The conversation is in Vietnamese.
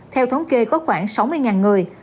theo thống kê có khoảng sáu mươi người